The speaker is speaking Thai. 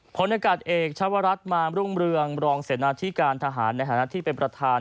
ผลอากาศเอกชาวรัฐมามรุ่งเรืองรองเสนาที่การทหารในฐานะที่เป็นประธาน